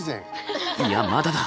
いやまだだ！